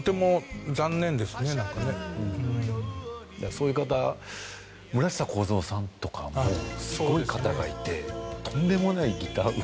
そういう方村下孝蔵さんとかもすごい方がいてとんでもないギターうまい。